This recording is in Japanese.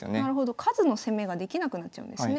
数の攻めができなくなっちゃうんですね。